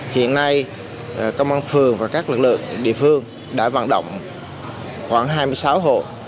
hiện nay công an phường và các lực lượng địa phương đã vận động khoảng hai mươi sáu hộ